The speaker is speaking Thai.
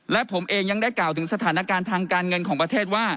และผมเองยังได้กล่าวถึงสถานการณ์ทางการเงินของประเทศว่า